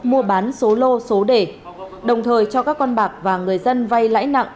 mua bán số lô số đề đồng thời cho các con bạc và người dân vay lãi nặng